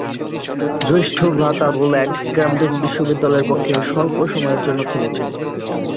জ্যেষ্ঠ ভ্রাতা Roland Cambridge বিশ্ববিদ্যালয়ের পক্ষে স্বল্প সময়ের জন্যে খেলেছেন।